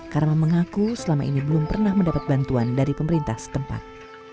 karma mengaku selama ini belum pernah mendapat bantuan dari pemerintah setempat